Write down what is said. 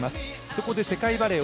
そこで世界バレー